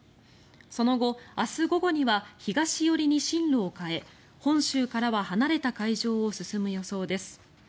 その後、明日午後には東寄りに進路を変え本州からは離れた海上を進む予想です。